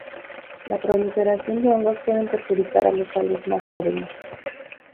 La proliferación de hongos pueden perjudicar a los sales más jóvenes.